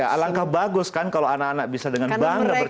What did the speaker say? alangkah bagus kan kalau anak anak bisa dengan bangga